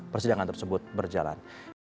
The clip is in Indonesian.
persidangan tersebut berjalan